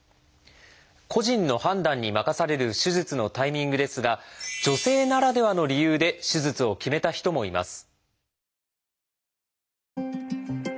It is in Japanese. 個人の判断に任される手術のタイミングですが女性ならではの理由で手術を決めた人もいます。